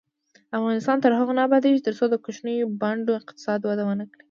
افغانستان تر هغو نه ابادیږي، ترڅو د کوچنیو بانډو اقتصاد وده ونه کړي.